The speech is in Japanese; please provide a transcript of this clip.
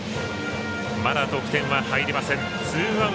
まだ得点は入りません。